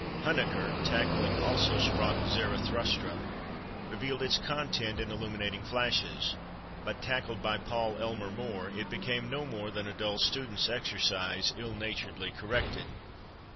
Huneker, tackling "Also sprach Zarathustra," revealed its content in illuminating flashes. But tackled by Paul Elmer More, it became no more than a dull student's exercise, ill naturedly corrected....